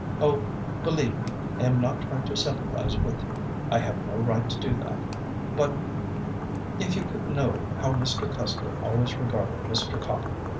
Oh, believe me, I am not trying to sympathize with you. I have no right to do that. But if you could know how Mr. Custer always regarded Mr. Copple!